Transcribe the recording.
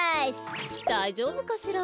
だいじょうぶかしら？